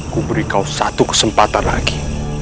ku beri kau satu kesempatan lagi